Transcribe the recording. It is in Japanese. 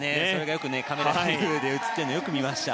カメラで映っているのをよく見ました。